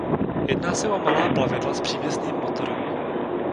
Jedná se o malá plavidla s přívěsným motorem.